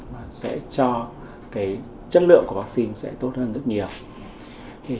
và sẽ cho chất lượng của vaccine sẽ tốt hơn rất nhiều